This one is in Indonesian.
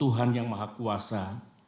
tuhan yang maha kuasa